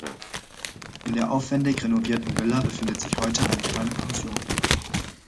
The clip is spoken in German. In der aufwändig renovierten Villa befindet sich heute eine kleine Pension.